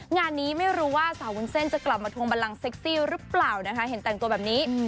งานนี้ไม่รู้ว่าสาววุ้นเส้นจะกลับมาทวงบันลังเซ็กซี่หรือเปล่านะคะเห็นแต่งตัวแบบนี้